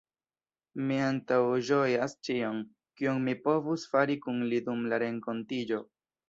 Mi antaŭĝojas ĉion, kion mi povus fari kun li dum la renkontiĝo.